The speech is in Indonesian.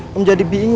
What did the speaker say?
kamu jadi bingung nih